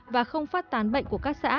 và không phát tán bệnh của các xã